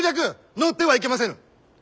乗ってはいけませぬ！